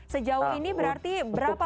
sejauh ini berarti berapa